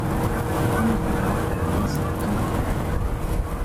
Un an plus tard, elle annonce attendre un enfant.